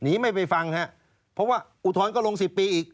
ไม่ไปฟังฮะเพราะว่าอุทธรณ์ก็ลง๑๐ปีอีก